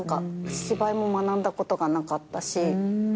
芝居も学んだことがなかったし。